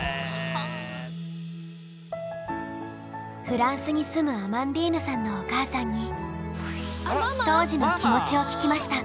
フランスに住むアマンディーヌさんのお母さんに当時の気持ちを聞きました。